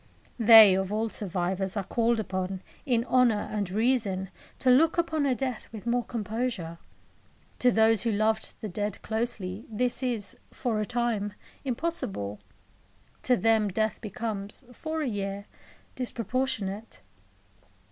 They, of all survivors, are called upon, in honour and reason, to look upon a death with more composure. To those who loved the dead closely, this is, for a time, impossible. To them death becomes, for a year, disproportionate.